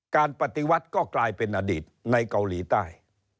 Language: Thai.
ปฏิวัติก็กลายเป็นอดีตในเกาหลีใต้